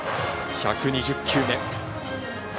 １２０球目。